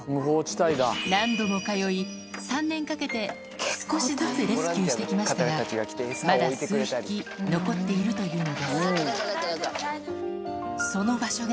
何度も通い、３年かけて少しずつレスキューしてきましたが、まだ数匹残ってい分かった分かった。